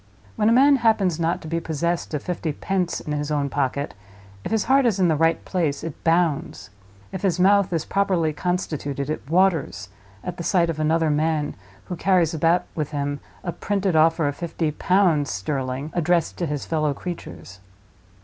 When a man happens not to be possessed of fifty pence in his own pocket, if his heart is in the right place, it bounds; if his mouth is properly constituted, it waters, at the sight of another man who carries about with him a printed offer of fifty pounds sterling, addressed to his fellow creatures.